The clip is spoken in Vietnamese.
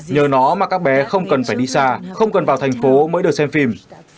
nhờ nó mà các bé không cần phải đi xa không cần vào thành phố mới được xem phim